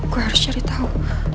gue harus cari tahu